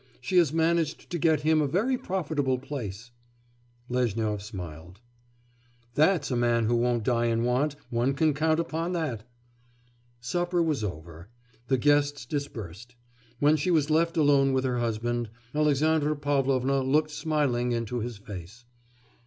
She has managed to get him a very profitable place.' Lezhnyov smiled. 'That's a man who won't die in want, one can count upon that.' Supper was over. The guests dispersed. When she was left alone with her husband, Alexandra Pavlovna looked smiling into his face.